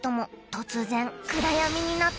「突然暗闇になったら」